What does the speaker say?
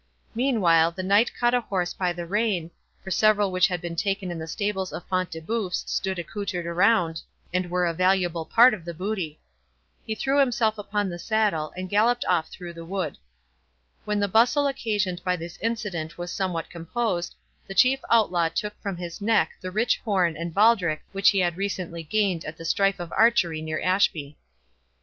Meanwhile the knight caught a horse by the rein, for several which had been taken in the stables of Front de Bœuf stood accoutred around, and were a valuable part of the booty. He threw himself upon the saddle, and galloped off through the wood. When the bustle occasioned by this incident was somewhat composed, the chief Outlaw took from his neck the rich horn and baldric which he had recently gained at the strife of archery near Ashby.